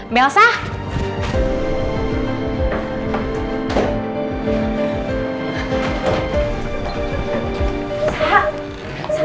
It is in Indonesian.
mbak elsa kenapa lari ya